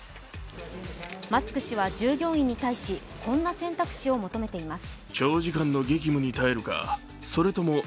マスク氏は従業員に対しこんな選択肢を求めています。